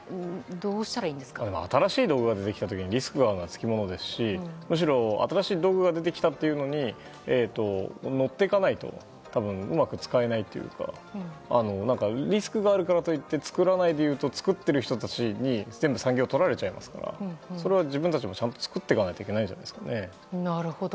当たらしい道具が出てきた時にリスクはつきものですしむしろ新しい道具が出てきたというのに乗っていかないと多分、うまく使えないというかリスクがあるからといって作らないでいると作っている人たちに全部産業がとられちゃいますからそれは自分たちも作っていかなきゃなるほど。